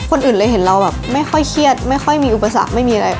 คนอื่นเลยเห็นเราแบบไม่ค่อยเครียดไม่ค่อยมีอุปสรรคไม่มีอะไร